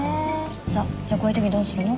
さあじゃあこういうときどうするの？